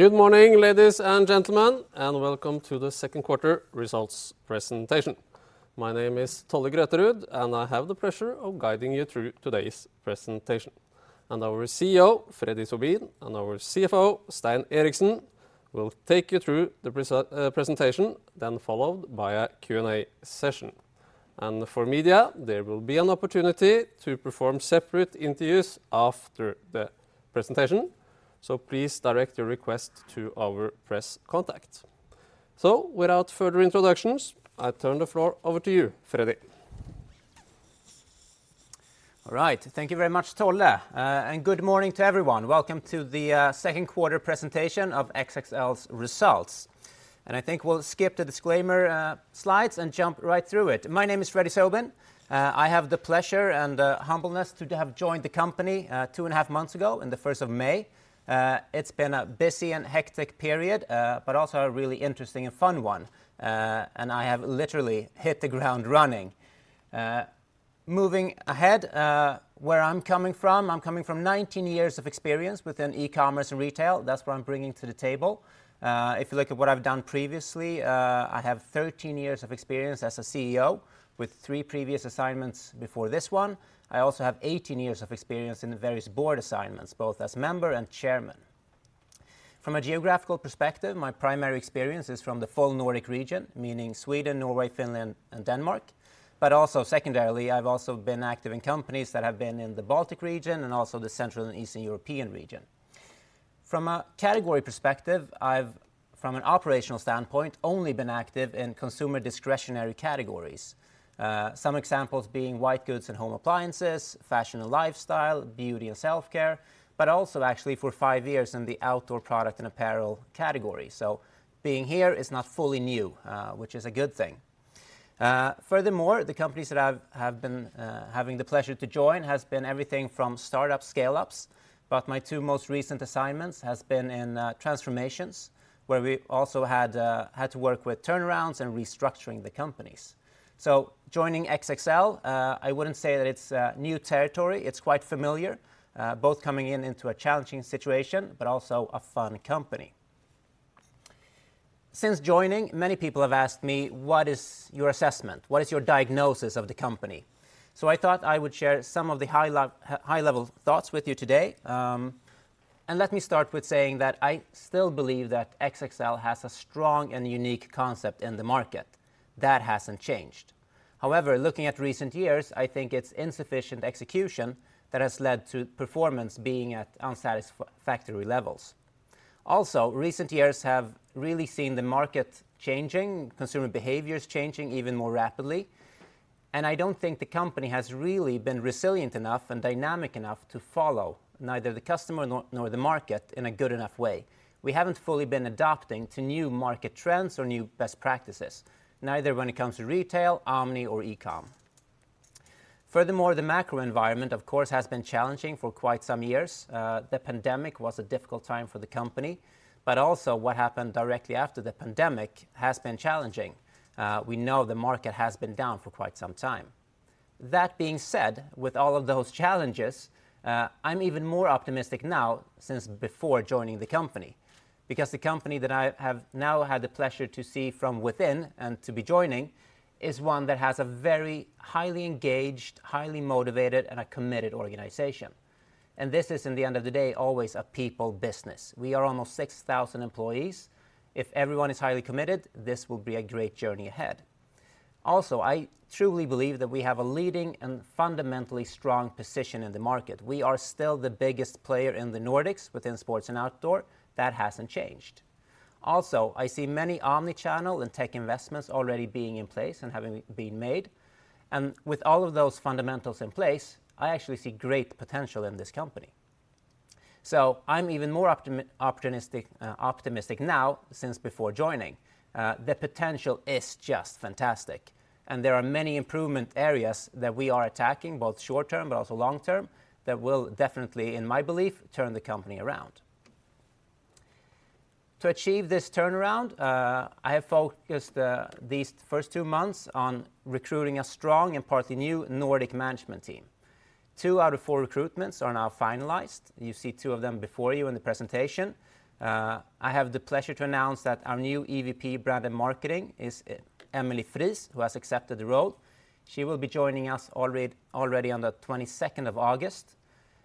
Good morning, ladies and gentlemen, welcome to the second quarter results presentation. My name is Tolle Grøterud, I have the pleasure of guiding you through today's presentation. Our CEO, Freddy Sobin, and our CFO, Stein Eriksen, will take you through the presentation, followed by a Q&A session. For media, there will be an opportunity to perform separate interviews after the presentation. Please direct your request to our press contact. Without further introductions, I turn the floor over to you, Freddy. All right. Thank you very much, Tolle. Good morning to everyone. Welcome to the second quarter presentation of XXL's results. I think we'll skip the disclaimer slides and jump right through it. My name is Freddy Sobin. I have the pleasure and humbleness to have joined the company two and a half months ago, in the first of May. It's been a busy and hectic period, but also a really interesting and fun one. I have literally hit the ground running. Moving ahead, where I'm coming from, I'm coming from 19 years of experience within e-commerce and retail. That's what I'm bringing to the table. If you look at what I've done previously, I have 13 years of experience as a CEO, with 3 previous assignments before this one. I also have 18 years of experience in various board assignments, both as member and chairman. From a geographical perspective, my primary experience is from the full Nordic region, meaning Sweden, Norway, Finland, and Denmark. Secondarily, I've also been active in companies that have been in the Baltic region and also the Central and Eastern European region. From a category perspective, I've, from an operational standpoint, only been active in consumer discretionary categories. Some examples being white goods and home appliances, fashion and lifestyle, beauty and self-care, but also actually for five years in the outdoor product and apparel category. Being here is not fully new, which is a good thing. Furthermore, the companies that I've, have been having the pleasure to join has been everything from startup, scale-ups, but my two most recent assignments has been in transformations, where we also had to work with turnarounds and restructuring the companies. Joining XXL, I wouldn't say that it's new territory. It's quite familiar, both coming in into a challenging situation, but also a fun company. Since joining, many people have asked me, "What is your assessment? What is your diagnosis of the company?" I thought I would share some of the high-level thoughts with you today. Let me start with saying that I still believe that XXL has a strong and unique concept in the market. That hasn't changed. However, looking at recent years, I think it's insufficient execution that has led to performance being at unsatisfactory levels. Also, recent years have really seen the market changing, consumer behaviors changing even more rapidly, and I don't think the company has really been resilient enough and dynamic enough to follow neither the customer nor the market in a good enough way. We haven't fully been adapting to new market trends or new best practices, neither when it comes to retail, omni, or e-com. Furthermore, the macro environment, of course, has been challenging for quite some years. The pandemic was a difficult time for the company, but also what happened directly after the pandemic has been challenging. We know the market has been down for quite some time. That being said, with all of those challenges, I'm even more optimistic now since before joining the company. The company that I have now had the pleasure to see from within and to be joining, is one that has a very highly engaged, highly motivated, and a committed organization. This is, in the end of the day, always a people business. We are almost 6,000 employees. If everyone is highly committed, this will be a great journey ahead. I truly believe that we have a leading and fundamentally strong position in the market. We are still the biggest player in the Nordics within sports and outdoor. That hasn't changed. I see many omni-channel and tech investments already being in place and having been made. With all of those fundamentals in place, I actually see great potential in this company. I'm even more opportunistic, optimistic now since before joining. The potential is just fantastic, and there are many improvement areas that we are attacking, both short term, but also long term, that will definitely, in my belief, turn the company around. To achieve this turnaround, I have focused these first two months on recruiting a strong and partly new Nordic management team. Two out of four recruitments are now finalized. You see two of them before you in the presentation. I have the pleasure to announce that our new EVP, Brand and Marketing, is Emelie Friis, who has accepted the role. She will be joining us already on the 22nd of August.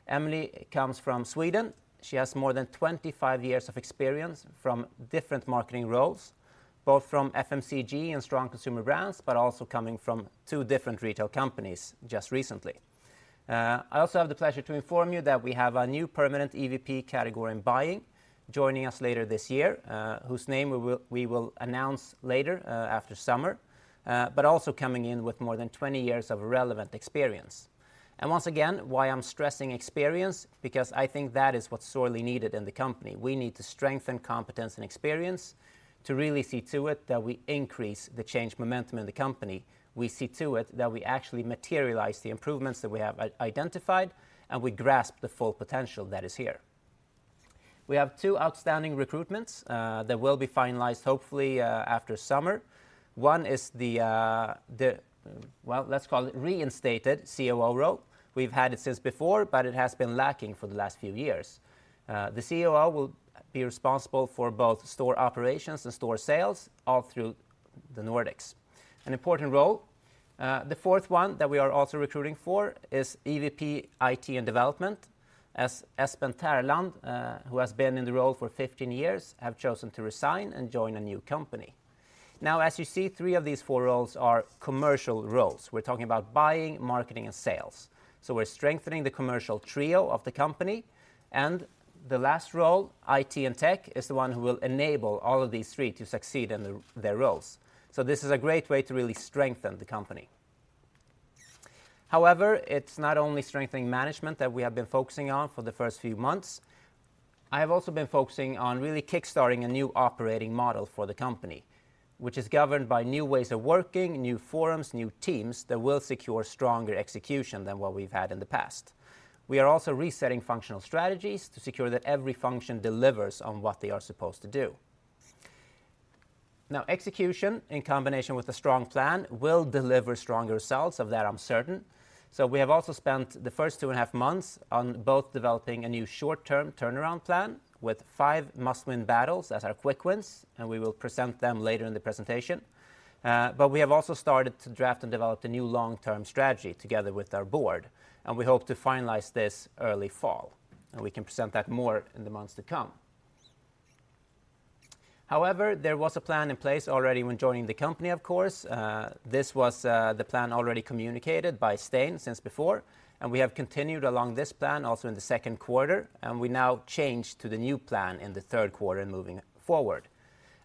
Emelie comes from Sweden. She has more than 25 years of experience from different marketing roles, both from FMCG and strong consumer brands, but also coming from two different retail companies just recently. I also have the pleasure to inform you that we have a new permanent EVP category in buying, joining us later this year, whose name we will announce later, after summer, but also coming in with more than 20 years of relevant experience. Once again, why I'm stressing experience, because I think that is what's sorely needed in the company. We need to strengthen competence and experience to really see to it that we increase the change momentum in the company. We see to it that we actually materialize the improvements that we have identified, and we grasp the full potential that is here. We have 2 outstanding recruitments that will be finalized, hopefully, after summer. One is let's call it reinstated COO role. We've had it since before, but it has been lacking for the last few years. The COO will be responsible for both store operations and store sales, all through the Nordics. An important role, the fourth one that we are also recruiting for is EVP IT and Development, as Espen Tørland, who has been in the role for 15 years, have chosen to resign and join a new company. As you see, three of these four roles are commercial roles. We're talking about buying, marketing, and sales. We're strengthening the commercial trio of the company, the last role, IT and Tech, is the one who will enable all of these three to succeed in their roles. This is a great way to really strengthen the company. It's not only strengthening management that we have been focusing on for the first few months. I have also been focusing on really kickstarting a new operating model for the company, which is governed by new ways of working, new forums, new teams, that will secure stronger execution than what we've had in the past. We are also resetting functional strategies to secure that every function delivers on what they are supposed to do. Execution, in combination with a strong plan, will deliver strong results. Of that, I'm certain. We have also spent the first two and a half months on both developing a new short-term turnaround plan with five must-win battles as our quick wins. We will present them later in the presentation. We have also started to draft and develop a new long-term strategy together with our board, and we hope to finalize this early fall, and we can present that more in the months to come. There was a plan in place already when joining the company, of course. This was the plan already communicated by Stein since before, and we have continued along this plan also in the second quarter, and we now change to the new plan in the third quarter and moving forward.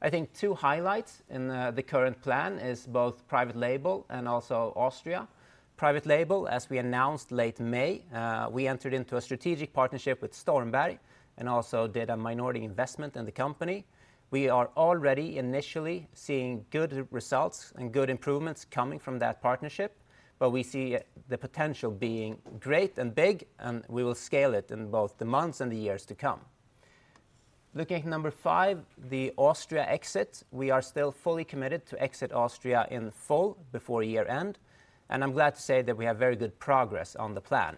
I think two highlights in the current plan is both private label and also Austria. Private label, as we announced late May, we entered into a strategic partnership with Stormberg and also did a minority investment in the company. We are already initially seeing good results and good improvements coming from that partnership, but we see the potential being great and big, and we will scale it in both the months and the years to come. Looking at number 5, the Austria exit, we are still fully committed to exit Austria in full before year-end. I'm glad to say that we have very good progress on the plan,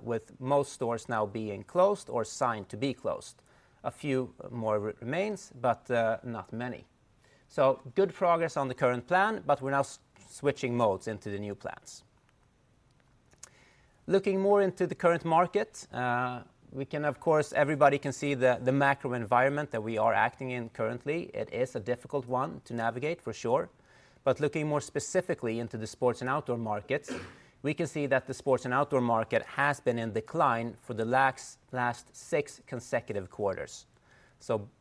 with most stores now being closed or signed to be closed. A few more remains, but not many. Good progress on the current plan, but we're now switching modes into the new plans. Looking more into the current market, we can of course... everybody can see the macro environment that we are acting in currently. It is a difficult one to navigate, for sure. Looking more specifically into the sports and outdoor markets, we can see that the sports and outdoor market has been in decline for the last six consecutive quarters.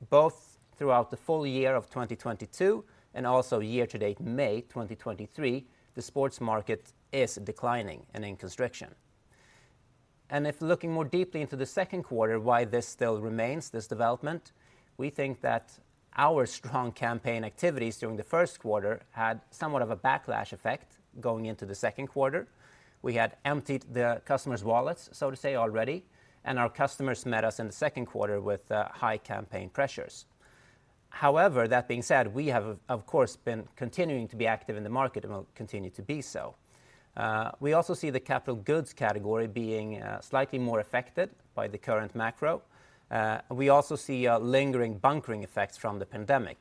Both throughout the full year of 2022 and also year to date, May 2023, the sports market is declining and in constriction. If looking more deeply into the second quarter, why this still remains, this development, we think that our strong campaign activities during the first quarter had somewhat of a backlash effect going into the second quarter. We had emptied the customers' wallets, so to say, already, and our customers met us in the second quarter with high campaign pressures. However, that being said, we have, of course, been continuing to be active in the market and will continue to be so. We also see the capital goods category being slightly more affected by the current macro. We also see a lingering bunkering effects from the pandemic,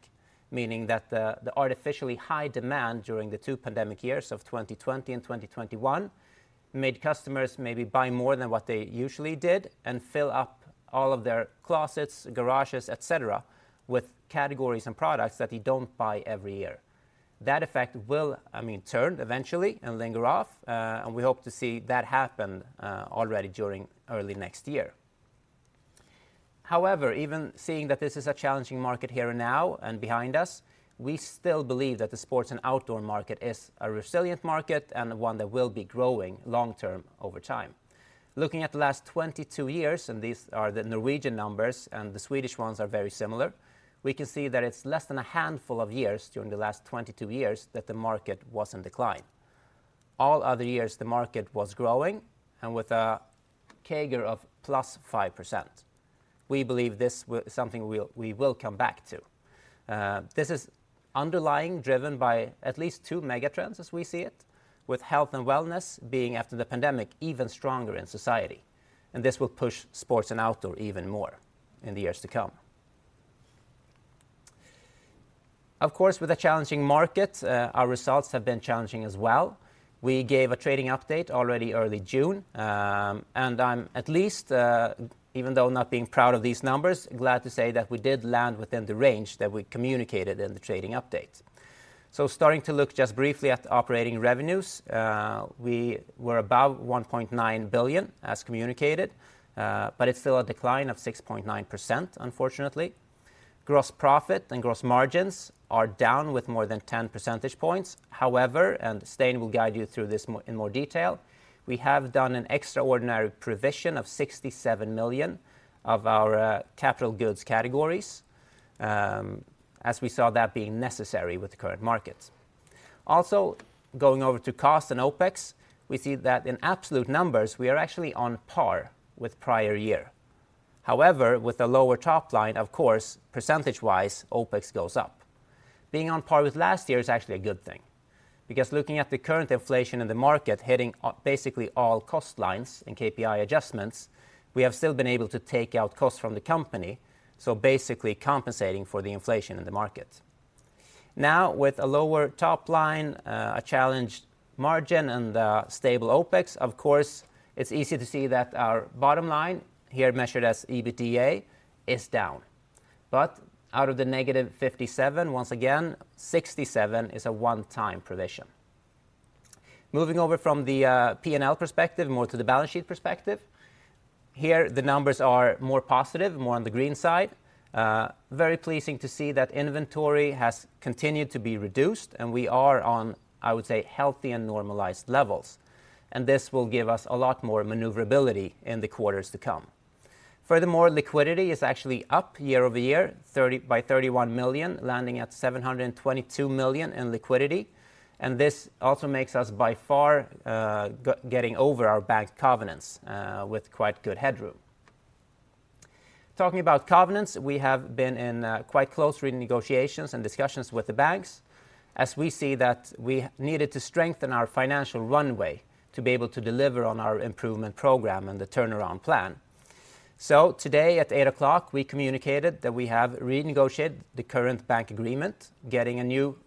meaning that the artificially high demand during the two pandemic years of 2020 and 2021 made customers maybe buy more than what they usually did and fill up all of their closets, garages, et cetera, with categories and products that you don't buy every year. That effect will, I mean, turn eventually and linger off, and we hope to see that happen already during early next year. However, even seeing that this is a challenging market here and now and behind us, we still believe that the sports and outdoor market is a resilient market and one that will be growing long term over time.......,,,, Looking at the last 22 years, these are the Norwegian numbers, and the Swedish ones are very similar, we can see that it's less than a handful of years during the last 22 years that the market was in decline. All other years, the market was growing and with a CAGR of +5%. We believe this is something we will come back to. This is underlying, driven by at least two mega trends as we see it, with health and wellness being, after the pandemic, even stronger in society, and this will push sports and outdoor even more in the years to come. Of course, with a challenging market, our results have been challenging as well. We gave a trading update already early June, I'm at least, even though not being proud of these numbers, glad to say that we did land within the range that we communicated in the trading update. Starting to look just briefly at the operating revenues, we were about 1.9 billion, as communicated, but it's still a decline of 6.9%, unfortunately. Gross profit and gross margins are down with more than 10 percentage points. However, and Stein will guide you through this in more detail, we have done an extraordinary provision of 67 million of our capital goods categories, as we saw that being necessary with the current markets. Going over to costs and OpEx, we see that in absolute numbers, we are actually on par with pri or year. With a lower top line, of course, percentage-wise, OpEx goes up. Being on par with last year is actually a good thing. Looking at the current inflation in the market, hitting, basically all cost lines and KPI adjustments, we have still been able to take out costs from the company, so basically compensating for the inflation in the market. With a lower top line, a challenged margin, and stable OpEx, of course, it's easy to see that our bottom line, here measured as EBITDA, is down. Out of the -57, once again, 67 is a one-time provision. Moving over from the P&L perspective, more to the balance sheet perspective, here, the numbers are more positive, more on the green side. Very pleasing to see that inventory has continued to be reduced. We are on, I would say, healthy and normalized levels. This will give us a lot more maneuverability in the quarters to come. Furthermore, liquidity is actually up year-over-year, by 31 million, landing at 722 million in liquidity. This also makes us by far getting over our bank covenants with quite good headroom. Talking about covenants, we have been in quite close renegotiations and discussions with the banks, as we see that we needed to strengthen our financial runway to be able to deliver on our improvement program and the turnaround plan. Today, at 8:00 A.M., we communicated that we have renegotiated the current bank agreement, getting a new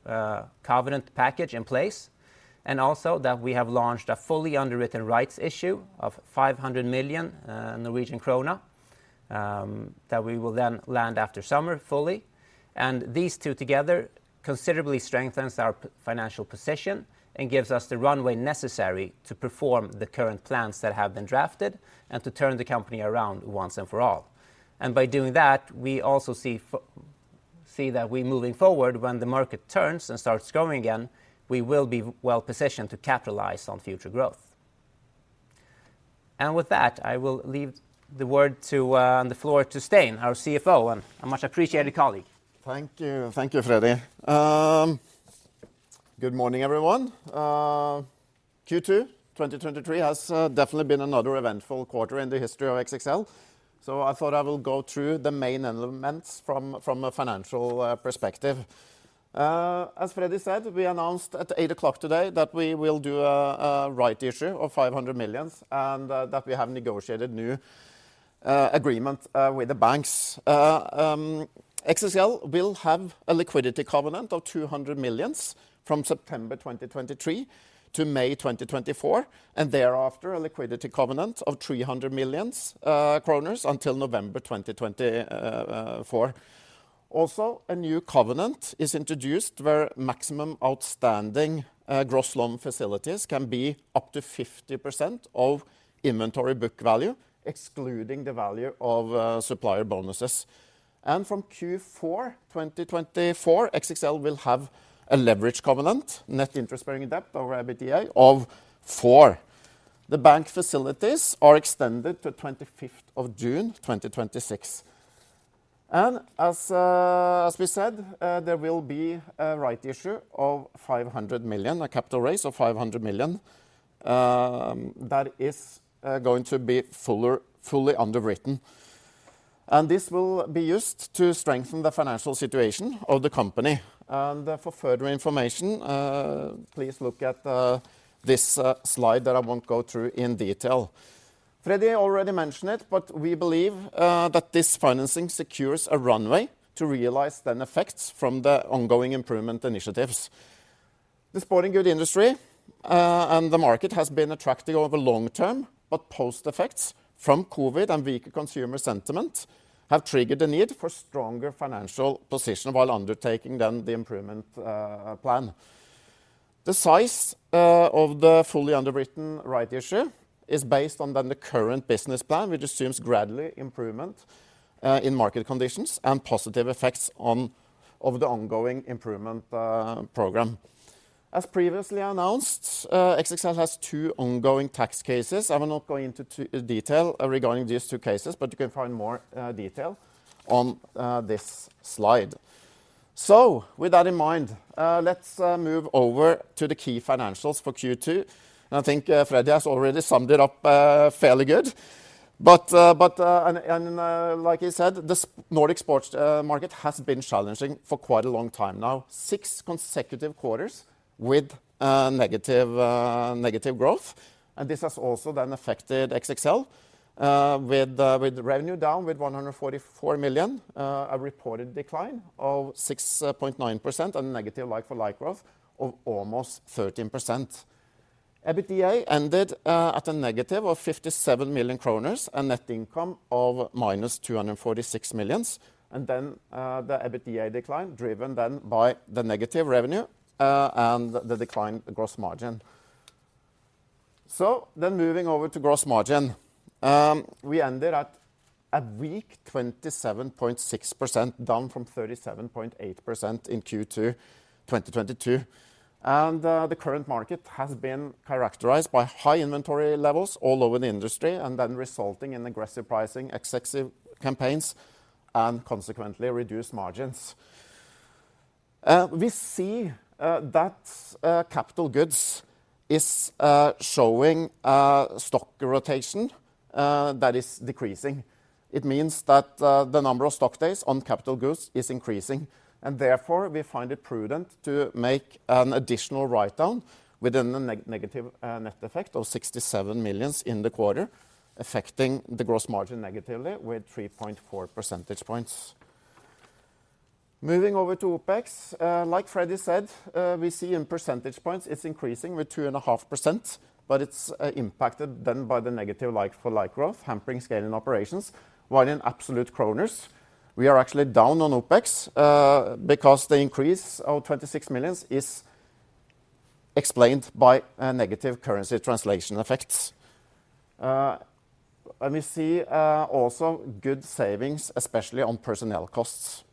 covenant package in place, also that we have launched a fully underwritten rights issue of 500 million Norwegian krone that we will then land after summer fully. These two together considerably strengthens our financial position and gives us the runway necessary to perform the current plans that have been drafted and to turn the company around once and for all. By doing that, we also see that we're moving forward when the market turns and starts growing again, we will be well positioned to capitalize on future growth. With that, I will leave the word on the floor to Stein, our CFO, and a much appreciated colleague. Thank you. Thank you, Freddy. Good morning, everyone. Q2 2023 has definitely been another eventful quarter in the history of XXL, so I thought I will go through the main elements from a financial perspective. As Freddy said, we announced at 8:00 A.M. today that we will do a rights issue of 500 million, and that we have negotiated new agreement with the banks. XXL will have a liquidity covenant of 200 million from September 2023 to May 2024, and thereafter, a liquidity covenant of 300 million kroner until November 2024. A new covenant is introduced, where maximum outstanding gross loan facilities can be up to 50% of inventory book value, excluding the value of supplier bonuses. From Q4 2024, XXL will have a leverage covenant, net interest-bearing debt over EBITDA of 4. The bank facilities are extended to 25th of June 2026. As we said, there will be a rights issue of 500 million, a capital raise of 500 million, that is going to be fuller, fully underwritten. This will be used to strengthen the financial situation of the company. For further information, please look at this slide that I won't go through in detail. Freddy already mentioned it, but we believe that this financing secures a runway to realize the effects from the ongoing improvement initiatives. The sporting goods industry and the market has been attracting over long term, but post effects from COVID and weaker consumer sentiment have triggered the need for stronger financial position while undertaking then the improvement plan. The size of the fully underwritten rights issue is based on the current business plan, which assumes gradually improvement in market conditions and positive effects of the ongoing improvement program. Previously announced, XXL has two ongoing tax cases. I will not go into detail regarding these two cases, but you can find more detail on this slide. With that in mind, let's move over to the key financials for Q2. I think Freddy has already summed it up fairly good. Like he said, the Nordic sports market has been challenging for quite a long time now, 6 consecutive quarters with negative negative growth. This has also then affected XXL with with revenue down, with 144 million, a reported decline of 6.9% and negative like-for-like growth of almost 13%. EBITDA ended at a negative of 57 million kroner, and net income of minus 246 million. The EBITDA decline, driven then by the negative revenue and the declined gross margin. Moving over to gross margin, we ended at a weak 27.6%, down from 37.8% in Q2 2022. The current market has been characterized by high inventory levels all over the industry, and then resulting in aggressive pricing, excessive campaigns, and consequently, reduced margins. We see that capital goods is showing a stock rotation that is decreasing. It means that the number of stock days on capital goods is increasing, and therefore, we find it prudent to make an additional write-down with a negative net effect of 67 million in the quarter, affecting the gross margin negatively with 3.4 percentage points. Moving over to OpEx, like Freddy said, we see in percentage points, it's increasing with 2.5%, but it's impacted then by the negative like-for-like growth, hampering scale and operations. While in absolute kronors, we are actually down on OpEx, because the increase of 26 million is explained by a negative currency translation effect. We see also good savings, especially on personnel costs.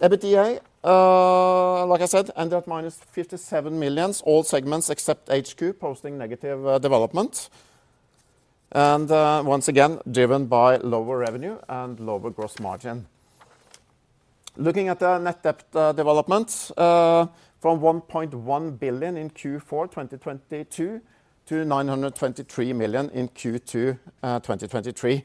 EBITDA, like I said, ended at minus 57 million, all segments except HQ posting negative development, and once again, driven by lower revenue and lower gross margin. Looking at the net debt development, from 1.1 billion in Q4 2022 to 923 million in Q2 2023.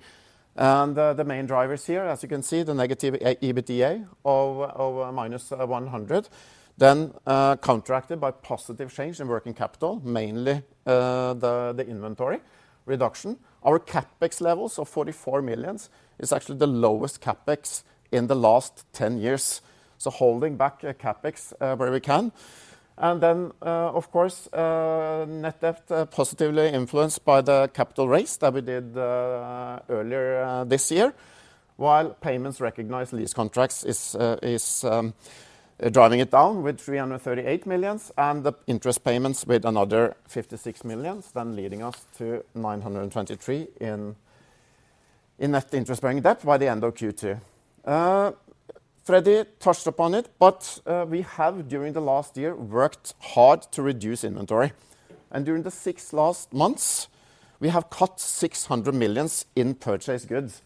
The main drivers here, as you can see, the negative EBITDA of minus 100 million, then counteracted by positive change in working capital, mainly the inventory reduction. Our CapEx levels of 44 million is actually the lowest CapEx in the last 10 years, so holding back CapEx where we can. Of course, net debt positively influenced by the capital raise that we did earlier this year, while payments recognized lease contracts is driving it down with 338 million, and the interest payments with another 56 million, then leading us to 923 in net interest-bearing debt by the end of Q2. Freddy touched upon it, but we have, during the last year, worked hard to reduce inventory, and during the 6 last months, we have cut 600 million in purchased goods,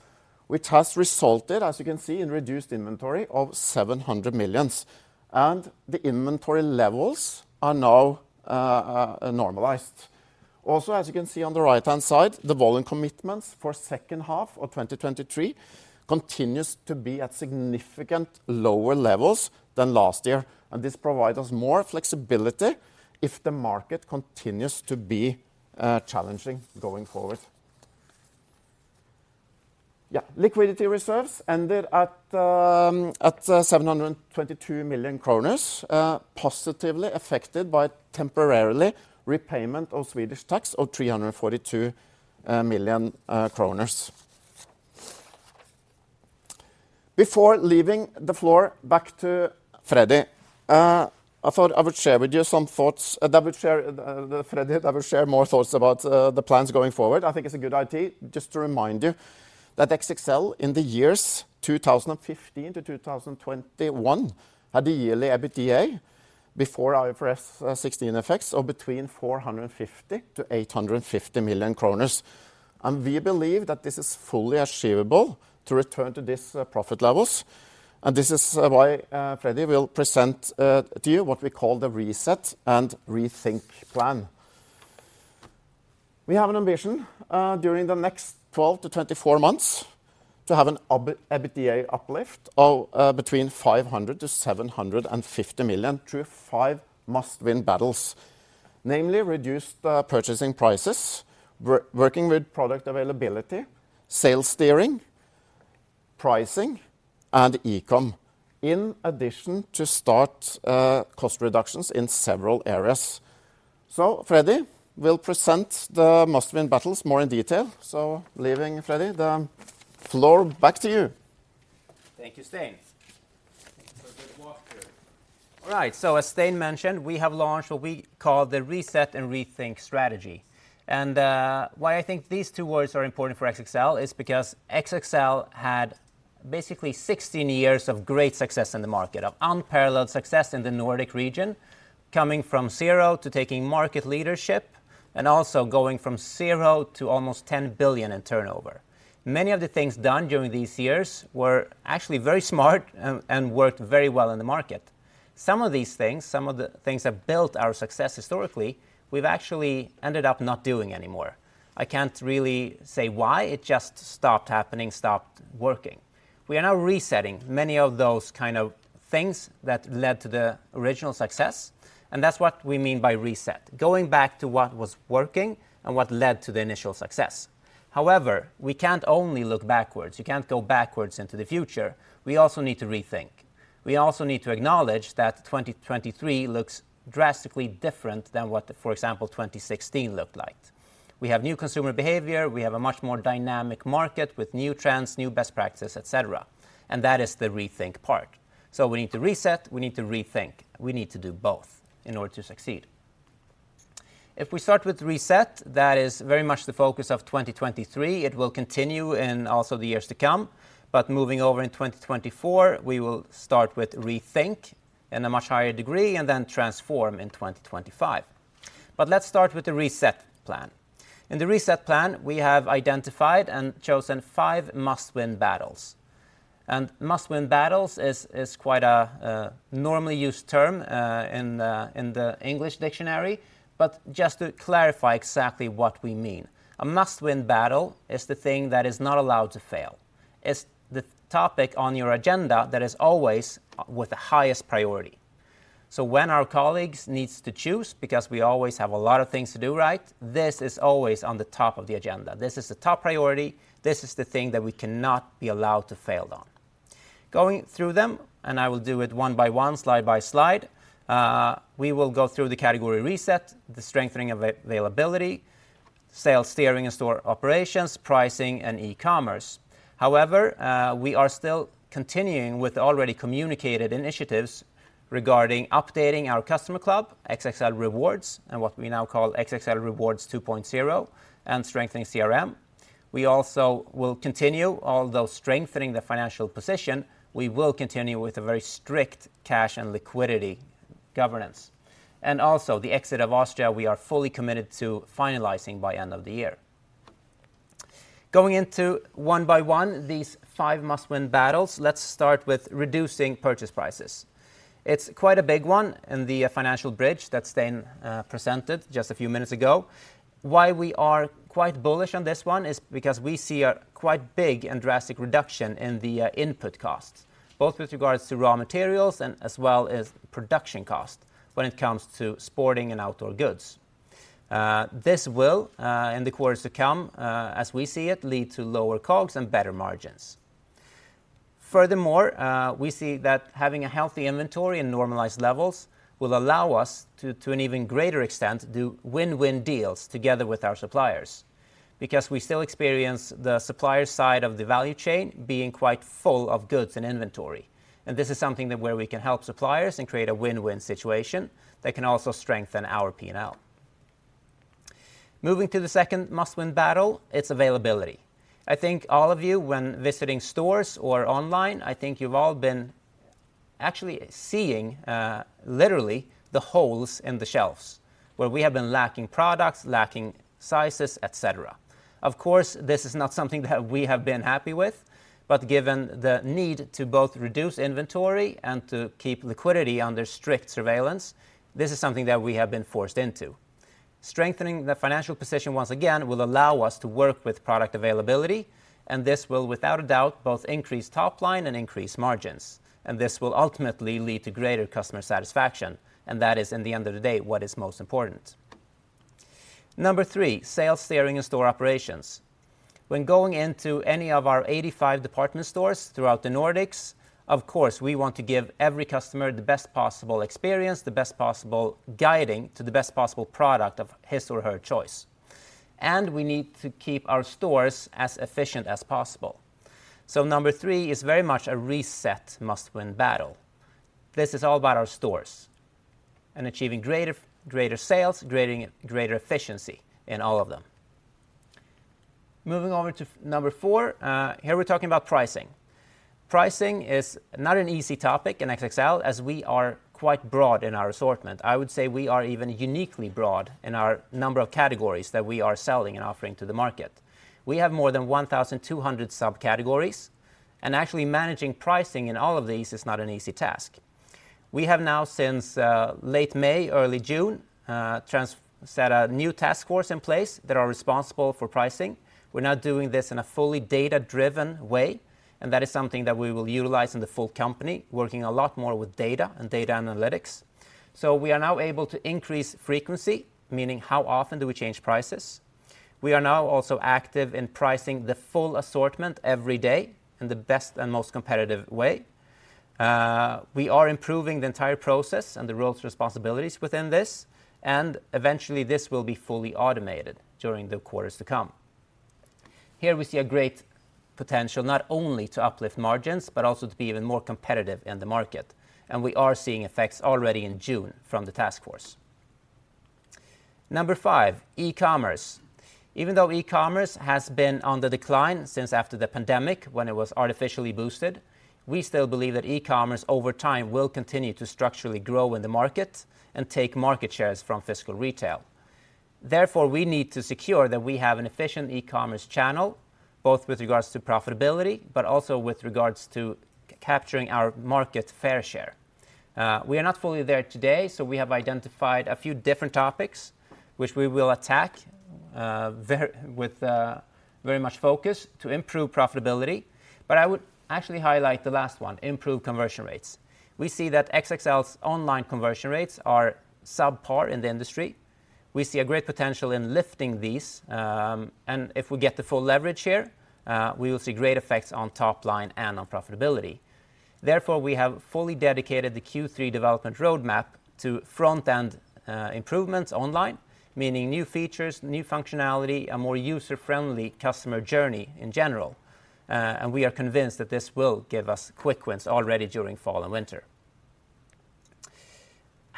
which has resulted, as you can see, in reduced inventory of 700 million, and the inventory levels are now normalized. As you can see on the right-hand side, the volume commitments for second half of 2023 continues to be at significant lower levels than last year, and this provide us more flexibility if the market continues to be challenging going forward. liquidity reserves ended at 722 million kroner, positively affected by temporarily repayment of Swedish tax of 342 million kronor. Before leaving the floor back to Freddy, I thought I would share with you some thoughts that would share Freddy, I will share more thoughts about the plans going forward. I think it's a good idea just to remind you that XXL, in the years 2015 to 2021, had a yearly EBITDA, before IFRS 16 effects, of between 450 million-850 million kroner. We believe that this is fully achievable to return to this profit levels, and this is why Freddy will present to you what we call the Reset and Rethink plan. We have an ambition during the next 12-24 months to have an EBITDA uplift of between 500 million-750 million through five must-win battles. Namely, reduced purchasing prices, working with product availability, sales steering, pricing, and e-com, in addition to start cost reductions in several areas. Freddy will present the must-win battles more in detail. Leaving Freddy, the floor back to you. Thank you, Stein. All right, as Stein mentioned, we have launched what we call the Reset and Rethink strategy. Why I think these two words are important for XXL is because XXL had basically 16 years of great success in the market, of unparalleled success in the Nordic region, coming from zero to taking market leadership, and also going from zero to almost 10 billion in turnover. Many of the things done during these years were actually very smart and worked very well in the market. Some of the things that built our success historically, we've actually ended up not doing anymore. I can't really say why. It just stopped happening, stopped working. We are now resetting many of those kind of things that led to the original success, and that's what we mean by Reset, going back to what was working and what led to the initial success. However, we can't only look backwards. You can't go backwards into the future. We also need to rethink. We also need to acknowledge that 2023 looks drastically different than what, for example, 2016 looked like. We have new consumer behavior. We have a much more dynamic market with new trends, new best practices, et cetera, and that is the Rethink part. We need to reset, we need to rethink. We need to do both in order to succeed. If we start with Reset, that is very much the focus of 2023. It will continue in also the years to come, moving over in 2024, we will start with Rethink in a much higher degree and then transform in 2025. Let's start with the Reset plan. In the Reset plan, we have identified and chosen 5 must-win battles. Must-win battles is quite a normally used term in the English dictionary, but just to clarify exactly what we mean. A must-win battle is the thing that is not allowed to fail. It's the topic on your agenda that is always with the highest priority. When our colleagues needs to choose, because we always have a lot of things to do, right? This is always on the top of the agenda. This is the top priority. This is the thing that we cannot be allowed to fail on. Going through them, and I will do it one by one, slide by slide, we will go through the category reset, the strengthening of availability, sales steering and store operations, pricing, and e-commerce. We are still continuing with already communicated initiatives regarding updating our customer club, XXL Rewards, and what we now call XXL Rewards 2.0, and strengthening CRM. We also will continue, although strengthening the financial position, we will continue with a very strict cash and liquidity governance. The exit of Austria, we are fully committed to finalizing by end of the year. One by one, these 5 must-win battles, let's start with reducing purchase prices. It's quite a big one in the financial bridge that Stein presented just a few minutes ago. Why we are quite bullish on this one is because we see a quite big and drastic reduction in the input costs, both with regards to raw materials and as well as production cost when it comes to sporting and outdoor goods. This will in the quarters to come, as we see it, lead to lower COGS and better margins. Furthermore, we see that having a healthy inventory and normalized levels will allow us to an even greater extent, do win-win deals together with our suppliers, because we still experience the supplier side of the value chain being quite full of goods and inventory. This is something that where we can help suppliers and create a win-win situation that can also strengthen our P&L. Moving to the second Must-Win Battle, it's availability. I think all of you, when visiting stores or online, I think you've all been actually seeing, literally, the holes in the shelves where we have been lacking products, lacking sizes, et cetera. Of course, this is not something that we have been happy with, but given the need to both reduce inventory and to keep liquidity under strict surveillance, this is something that we have been forced into. Strengthening the financial position, once again, will allow us to work with product availability, this will, without a doubt, both increase top line and increase margins. This will ultimately lead to greater customer satisfaction, that is, in the end of the day, what is most important. Number three, sales steering and store operations. When going into any of our 85 department stores throughout the Nordics, of course, we want to give every customer the best possible experience, the best possible guiding to the best possible product of his or her choice. We need to keep our stores as efficient as possible. Number 3 is very much a Reset must-win battle. This is all about our stores and achieving greater sales, greater efficiency in all of them. Moving over to 4, here we're talking about pricing. Pricing is not an easy topic in XXL, as we are quite broad in our assortment. I would say we are even uniquely broad in our number of categories that we are selling and offering to the market. We have more than 1,200 subcategories, and actually managing pricing in all of these is not an easy task. We have now, since late May, early June, set a new task force in place that are responsible for pricing. We're now doing this in a fully data-driven way, and that is something that we will utilize in the full company, working a lot more with data and data analytics. We are now able to increase frequency, meaning how often do we change prices? We are now also active in pricing the full assortment every day in the best and most competitive way. We are improving the entire process and the roles and responsibilities within this, and eventually, this will be fully automated during the quarters to come. Here we see a great potential, not only to uplift margins, but also to be even more competitive in the market. We are seeing effects already in June from the task force. Number 5, e-commerce. Even though e-commerce has been on the decline since after the pandemic, when it was artificially boosted, we still believe that e-commerce, over time, will continue to structurally grow in the market and take market shares from physical retail. Therefore, we need to secure that we have an efficient e-commerce channel, both with regards to profitability, but also with regards to capturing our market fair share. We are not fully there today, we have identified a few different topics, which we will attack with very much focus to improve profitability. I would actually highlight the last one, improve conversion rates. We see that XXL's online conversion rates are subpar in the industry. We see a great potential in lifting these, if we get the full leverage here, we will see great effects on top line and on profitability. Therefore, we have fully dedicated the Q3 development roadmap to front-end improvements online, meaning new features, new functionality, a more user-friendly customer journey in general. We are convinced that this will give us quick wins already during fall and winter.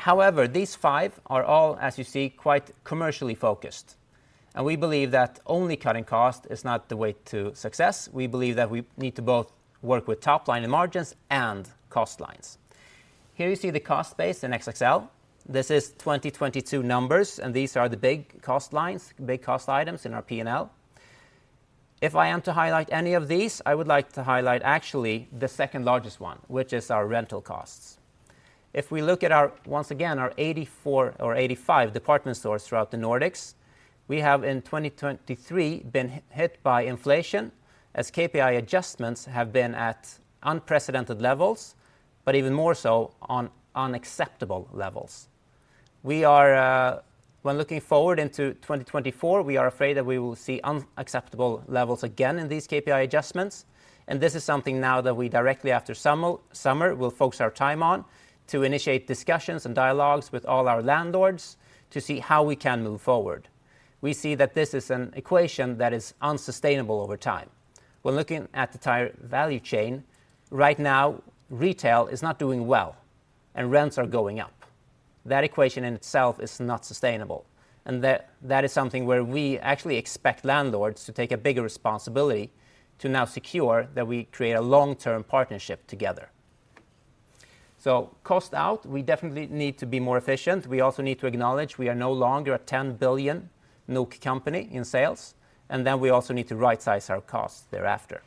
However, these five are all, as you see, quite commercially focused, and we believe that only cutting cost is not the way to success. We believe that we need to both work with top line and margins and cost lines. Here you see the cost base in XXL. This is 2022 numbers, and these are the big cost lines, big cost items in our P&L. If I am to highlight any of these, I would like to highlight actually the second largest one, which is our rental costs. If we look at our, once again, our 84 or 85 department stores throughout the Nordics, we have, in 2023, been hit by inflation as KPI adjustments have been at unprecedented levels, but even more so on unacceptable levels. We are when looking forward into 2024, we are afraid that we will see unacceptable levels again in these KPI adjustments, and this is something now that we directly, after summer, will focus our time on to initiate discussions and dialogues with all our landlords to see how we can move forward. We see that this is an equation that is unsustainable over time. When looking at the entire value chain, right now, retail is not doing well, and rents are going up. That equation in itself is not sustainable, that is something where we actually expect landlords to take a bigger responsibility to now secure that we create a long-term partnership together. Cost out, we definitely need to be more efficient. We also need to acknowledge we are no longer a 10 billion NOK company in sales, we also need to rightsize our costs thereafter.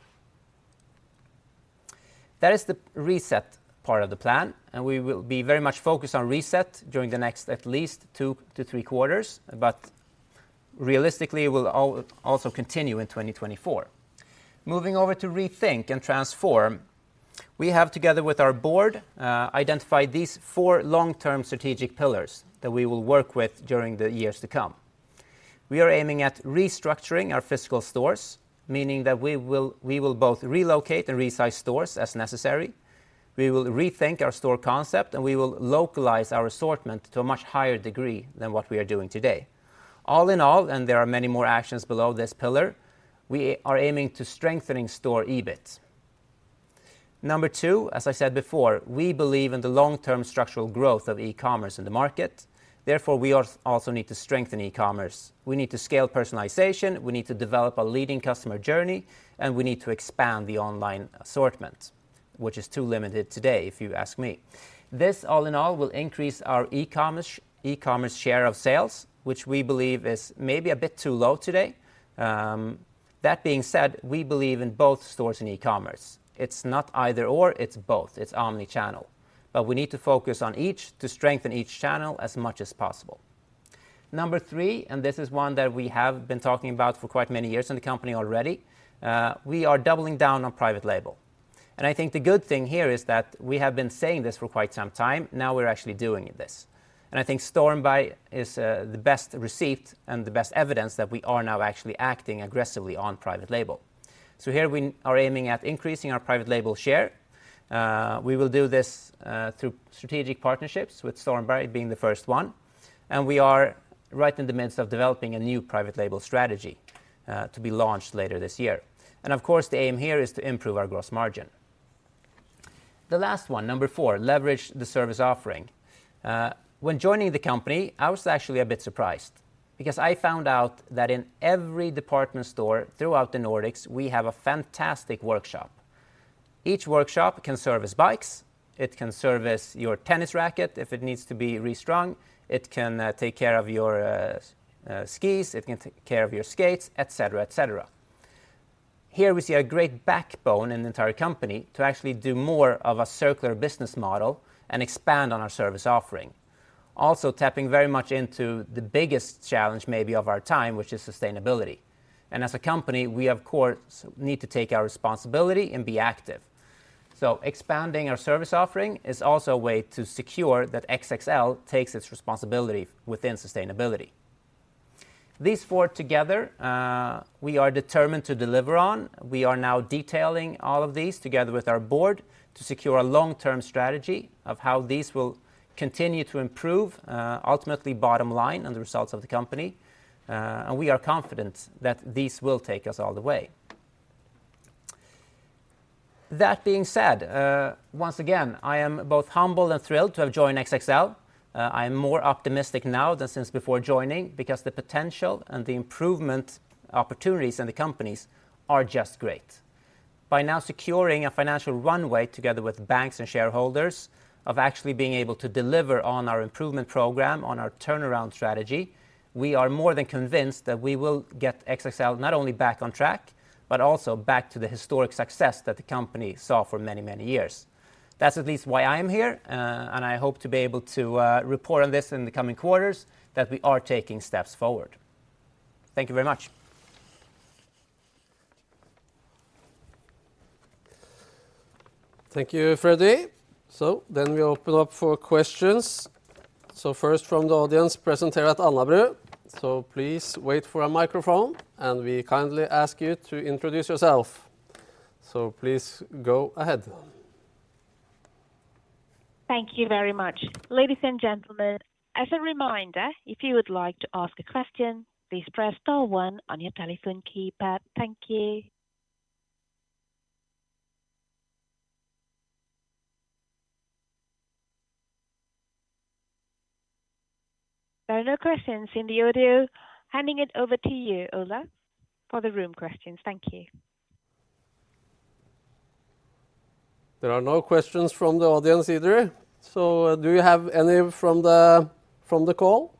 That is the Reset part of the plan, we will be very much focused on Reset during the next, at least two to three quarters, realistically, it will also continue in 2024. Moving over to Rethink and Transform, we have, together with our board, identified these four long-term strategic pillars that we will work with during the years to come. We are aiming at restructuring our physical stores, meaning that we will both relocate and resize stores as necessary. We will rethink our store concept, and we will localize our assortment to a much higher degree than what we are doing today. All in all, and there are many more actions below this pillar, we are aiming to strengthening store EBIT. Number 2, as I said before, we believe in the long-term structural growth of e-commerce in the market. We also need to strengthen e-commerce. We need to scale personalization, we need to develop a leading customer journey, and we need to expand the online assortment, which is too limited today, if you ask me. This, all in all, will increase our e-commerce share of sales, which we believe is maybe a bit too low today. That being said, we believe in both stores and e-commerce. It's not either or, it's both. It's omni-channel. We need to focus on each to strengthen each channel as much as possible. Number 3, this is one that we have been talking about for quite many years in the company already. We are doubling down on private label. I think the good thing here is that we have been saying this for quite some time. Now, we're actually doing this. I think Stormberg is, the best received and the best evidence that we are now actually acting aggressively on private label. Here, we are aiming at increasing our private label share. We will do this through strategic partnerships, with Stormberg being the first one, and we are right in the midst of developing a new private label strategy to be launched later this year. Of course, the aim here is to improve our gross margin. The last one, number 4, leverage the service offering. When joining the company, I was actually a bit surprised because I found out that in every department store throughout the Nordics, we have a fantastic workshop. Each workshop can service bikes, it can service your tennis racket if it needs to be restrung, it can take care of your skis, it can take care of your skates, et cetera, et cetera. Here, we see a great backbone in the entire company to actually do more of a circular business model and expand on our service offering. Tapping very much into the biggest challenge, maybe of our time, which is sustainability. As a company, we, of course, need to take our responsibility and be active. Expanding our service offering is also a way to secure that XXL takes its responsibility within sustainability. These four together, we are determined to deliver on. We are now detailing all of these together with our board to secure a long-term strategy of how these will continue to improve, ultimately bottom line and the results of the company. We are confident that these will take us all the way. That being said, once again, I am both humbled and thrilled to have joined XXL. I am more optimistic now than since before joining because the potential and the improvement opportunities in the companies are just great. By now securing a financial runway together with banks and shareholders, of actually being able to deliver on our improvement program, on our turnaround strategy, we are more than convinced that we will get XXL not only back on track, but also back to the historic success that the company saw for many, many years. That's at least why I'm here, and I hope to be able to report on this in the coming quarters, that we are taking steps forward. Thank you very much. Thank you, Freddy. We open up for questions. First, from the audience present here at Alnabru. Please wait for a microphone, and we kindly ask you to introduce yourself. Please go ahead. Thank you very much. Ladies and gentlemen, as a reminder, if you would like to ask a question, please press star one on your telephone keypad. Thank you. There are no questions in the audio. Handing it over to you, Olaf, for the room questions. Thank you. There are no questions from the audience either. Do you have any from the call?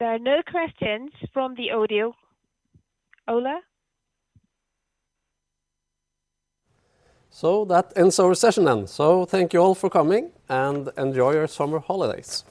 There are no questions from the audio, Olaf. That ends our session then. Thank you all for coming, and enjoy your summer holidays.